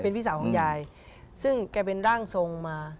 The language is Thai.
พี่สาวของยายซึ่งแกเป็นร่างทรงมา